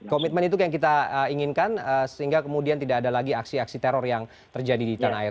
komitmen itu yang kita inginkan sehingga kemudian tidak ada lagi aksi aksi teror yang terjadi di tanah air